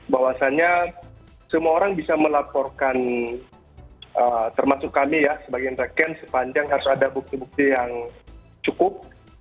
bahwasannya semua orang bisa melaporkan termasuk kami ya sebagai inteken sepanjang harus ada bukti bukti yang cukup